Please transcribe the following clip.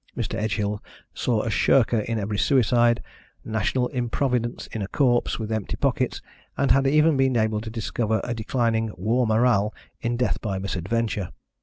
Mr. Edgehill saw a shirker in every suicide, national improvidence in a corpse with empty pockets, and had even been able to discover a declining war morale in death by misadventure.